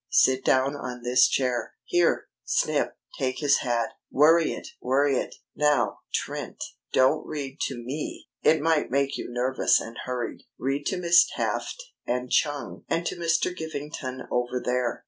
Sit down on this chair.... Here, Snip, take his hat. Worry it! Worry it! Now, Trent, don't read to me. It might make you nervous and hurried. Read to Miss Taft and Chung, and to Mr. Givington over there.